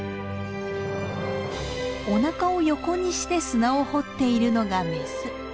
おなかを横にして砂を掘っているのがメス。